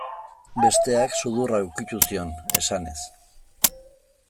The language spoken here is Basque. Besteak, sudurra ukitu zion, esanez.